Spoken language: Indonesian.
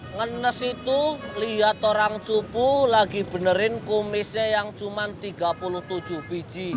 ngenes itu lihat orang cupu lagi benerin kumisnya yang cuma tiga puluh tujuh biji